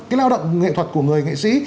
cái lao động nghệ thuật của người nghệ sĩ